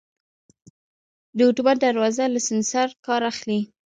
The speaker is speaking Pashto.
دا اتومات دروازه له سنسر کار اخلي.